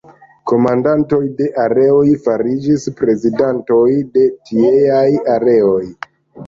Komandantoj de areoj fariĝis prezidantoj de tieaj areoj.